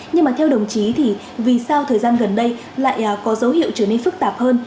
nhưng mà theo đồng chí thì vì sao thời gian gần đây lại có dấu hiệu trở nên phức tạp hơn